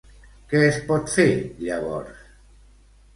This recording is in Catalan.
Què es pot fer llavors?